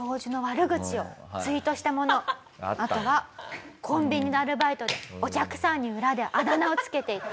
あとはコンビニのアルバイトでお客さんに裏であだ名を付けていた。